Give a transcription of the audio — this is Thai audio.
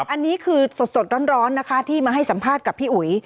อันนี้คือสดร้อนนะคะที่มาให้สัมภาษณ์กับพี่อุ๋ย